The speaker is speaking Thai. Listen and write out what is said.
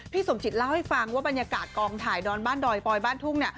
สมจิตเล่าให้ฟังว่าบรรยากาศกองถ่ายดอนบ้านดอยปลอยบ้านทุ่ง